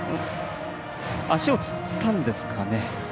足をつったんですかね。